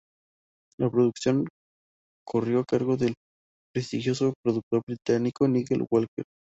La producción corrió a cargo del prestigioso productor británico Nigel Walker.